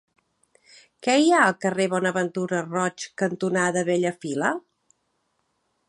Què hi ha al carrer Bonaventura Roig cantonada Bellafila?